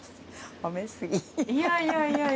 褒め過ぎ。